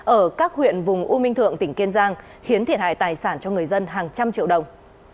ở các huyện vùng u minh thượng tỉnh kiên giang khiến thiệt hại tài sản cho người dân hàng trăm triệu đồng